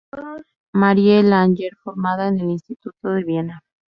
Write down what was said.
Marie Langer, formada en el Instituto de Viena.